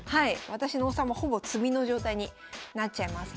私の王様ほぼ詰みの状態になっちゃいます。